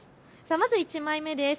まず１枚目です。